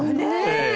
ええ。